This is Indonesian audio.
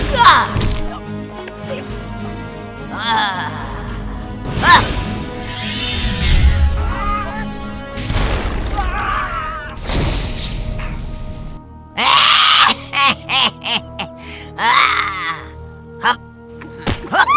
tidak ada apa apa